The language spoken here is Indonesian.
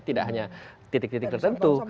tidak hanya titik titik tertentu